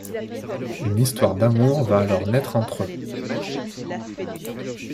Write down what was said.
Une histoire d'amour va alors naître entre eux…